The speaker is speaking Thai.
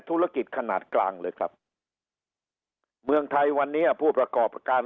ธุรกิจขนาดกลางเลยครับเมืองไทยวันนี้ผู้ประกอบการ